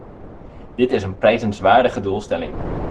Dit is een prijzenswaardige doelstelling.